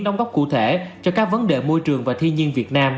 đóng góp cụ thể cho các vấn đề môi trường và thiên nhiên việt nam